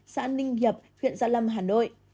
xã ninh hiệp huyện gia lâm hà nội